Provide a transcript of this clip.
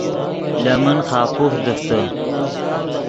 لے من خاپوف دیفتے